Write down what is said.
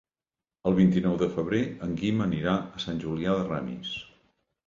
El vint-i-nou de febrer en Guim anirà a Sant Julià de Ramis.